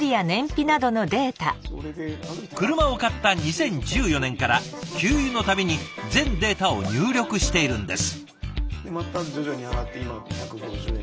車を買った２０１４年から給油の度に全データを入力しているんです。